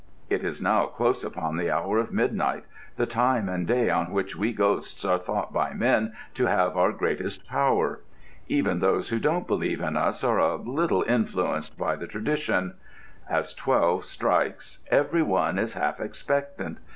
It is now close upon the hour of midnight—the time and day on which we ghosts are thought by men to have our greatest power. Even those who don't believe in us are a little influenced by the tradition. As twelve strikes every one is half expectant.